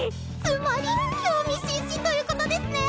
つまり興味津々ということですね？